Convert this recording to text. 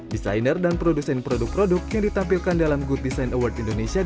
desainer dan produsen produk produk yang ditampilkan dalam good design award indonesia